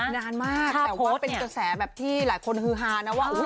นานมากแต่ว่าเป็นกระแสแบบที่หลายคนฮือฮานะว่า